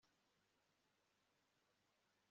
Ubugingo bwanjye numutima wanjye